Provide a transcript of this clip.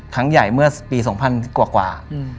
ครั้งใหญ่เมื่อปี๒๐๐กว่า